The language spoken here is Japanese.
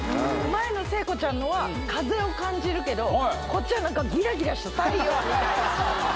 前の聖子ちゃんのは風を感じるけどこっちは何かギラギラした太陽みたいな感じ？